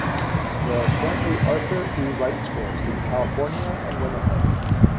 There are currently Arthur E. Wright schools in California and Winnipeg.